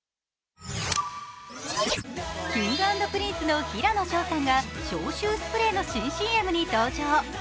Ｋｉｎｇ＆Ｐｒｉｎｃｅの平野紫耀さんが消臭スプレーの新ＣＭに登場。